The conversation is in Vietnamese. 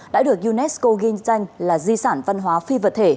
đã được unesco ghi danh là di sản văn hóa phi vật thể